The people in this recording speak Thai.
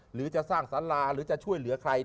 หรือจะสร้างสาราหรือจะช่วยเหลือใคร